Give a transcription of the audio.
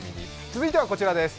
続いてはこちらです。